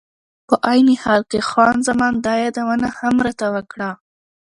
په عین حال کې خان زمان دا یادونه هم راته وکړه.